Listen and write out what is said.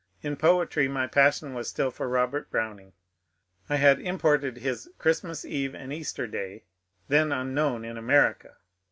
In poetry my passion was still for Robert Browning. I had imported his ^^ Christmas Eve and Easter Day," — then unknown in America.